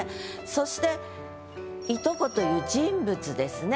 そして「従弟」という人物ですね。